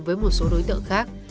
với một số đối tượng khác